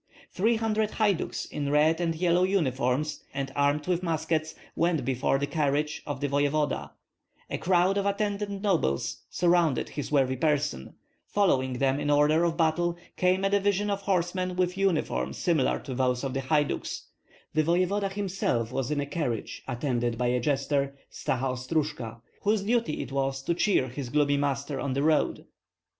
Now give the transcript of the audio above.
Three hundred haiduks in red and yellow uniforms and armed with muskets went before the carriage of the voevoda; a crowd of attendant nobles surrounded his worthy person; following them in order of battle came a division of horsemen with uniforms similar to those of the haiduks; the voevoda himself was in a carriage attended by a jester, Staha Ostrojka, whose duty it was to cheer his gloomy master on the road.